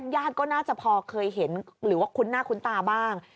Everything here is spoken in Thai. ญาติก็น่าจะพอเคยเห็นหรือว่าคุ้นหน้าคุ้นตาบ้าง